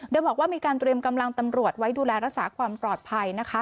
โดยบอกว่ามีการเตรียมกำลังตำรวจไว้ดูแลรักษาความปลอดภัยนะคะ